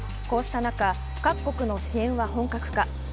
こうしたなか、各国の支援は本格化。